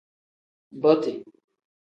Boti.